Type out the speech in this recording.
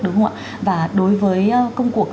đúng không ạ và đối với công cuộc